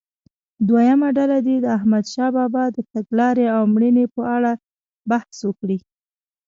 دویمه ډله دې د احمدشاه بابا د تګلارې او مړینې په اړه بحث وکړي.